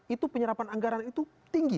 itu penyerapan anggaran itu tinggi